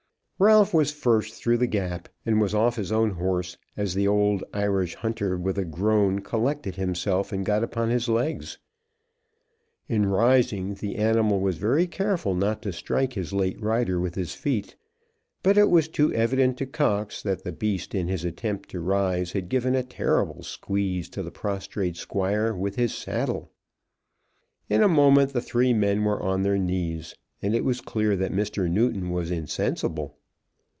Ralph was first through the gap, and was off his own horse as the old Irish hunter, with a groan, collected himself and got upon his legs. In rising, the animal was very careful not to strike his late rider with his feet; but it was too evident to Cox that the beast in his attempt to rise had given a terrible squeeze to the prostrate Squire with his saddle. In a moment the three men were on their knees, and it was clear that Mr. Newton was insensible.